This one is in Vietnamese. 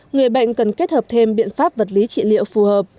người bệnh cần kết hợp thêm biện pháp vật lý trị liệu phù hợp